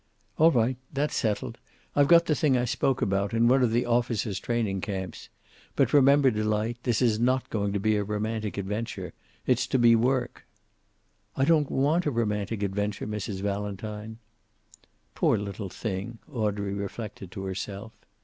"All right. That's settled. I've got the thing I spoke about, in one of the officers' training camps. But remember, Delight, this is not going to be a romantic adventure. It's to be work." "I don't want a romantic adventure, Mrs. Valentine." "Poor little thing," Audrey reflected to herself.